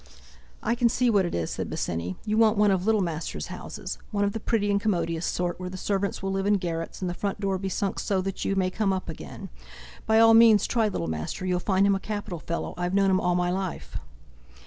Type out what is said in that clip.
"I can see what it is," said Bosinney, "you want one of Littlemaster's houses—one of the pretty and commodious sort, where the servants will live in garrets, and the front door be sunk so that you may come up again. By all means try Littlemaster, you'll find him a capital fellow, I've known him all my life!"